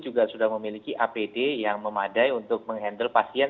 juga sudah memiliki apd yang memadai untuk menghandle pasien